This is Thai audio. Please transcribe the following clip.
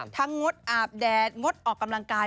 งดอาบแดดงดออกกำลังกาย